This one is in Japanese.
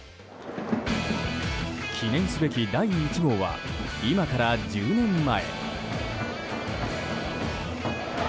記念すべき第１号は今から１０年前。